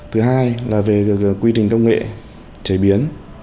thứ hai là về quy trình công nghệ chế biến